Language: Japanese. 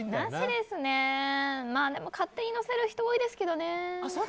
でも勝手に載せる人多いですけどね。